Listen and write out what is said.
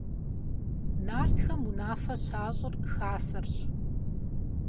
Нартхэм унафэ щащӀыр хасэрщ.